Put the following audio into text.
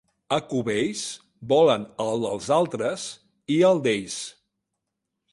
A Cubells, volen el dels altres i el d'ells.